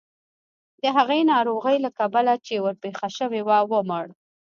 د هغې ناروغۍ له کبله چې ورپېښه شوې وه ومړ.